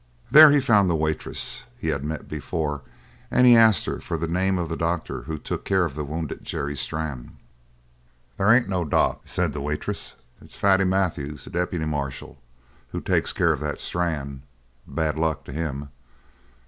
There he found the waitress he had met before, and he asked her for the name of the doctor who took care of the wounded Jerry Strann. "There ain't no doc," said the waitress. "It's Fatty Matthews, the deputy marshal, who takes care of that Strann bad luck to him!